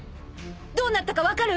どうなったか分かる？